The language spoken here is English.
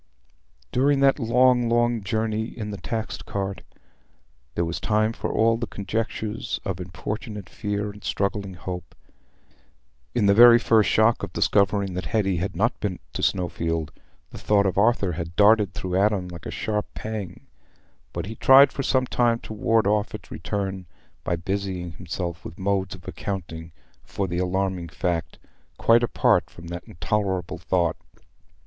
During that long, long journey in the taxed cart, there was time for all the conjectures of importunate fear and struggling hope. In the very first shock of discovering that Hetty had not been to Snowfield, the thought of Arthur had darted through Adam like a sharp pang, but he tried for some time to ward off its return by busying himself with modes of accounting for the alarming fact, quite apart from that intolerable thought.